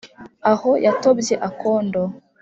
aho yatobye akondo